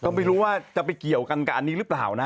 ก็ไม่รู้ว่าจะไปเกี่ยวกันกับอันนี้หรือเปล่านะ